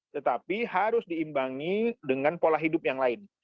tetapi harus diimbangi dengan pola hidup yang lain